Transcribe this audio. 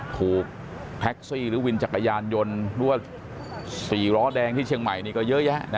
ถูกแท็กซี่หรือวินจักรยานยนต์หรือว่า๔ล้อแดงที่เชียงใหม่นี่ก็เยอะแยะนะ